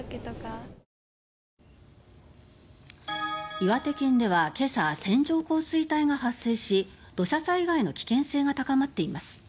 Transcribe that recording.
岩手県では今朝線状降水帯が発生し土砂災害の危険性が高まっています。